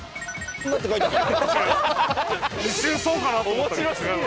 一瞬そうかなと思ったけど。